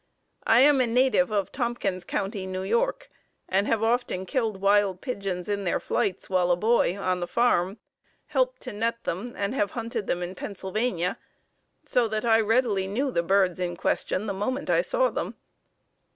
I am a native of Tompkins County, N. Y., and have often killed wild pigeons in their flights while a boy on the farm, helped to net them, and have hunted them in Pennsylvania, so that I readily knew the birds in question the moment I saw them."